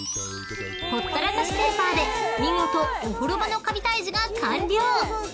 ［ほったらかしペーパーで見事お風呂場のカビ退治が完了］